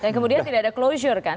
dan kemudian tidak ada closure kan